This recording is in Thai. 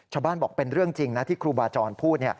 บอกเป็นเรื่องจริงนะที่ครูบาจรพูด